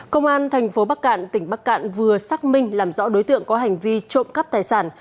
công an thành phố bắc cạn tỉnh bắc cạn vừa xác minh làm rõ đối tượng có hành vi trộm cắp tài sản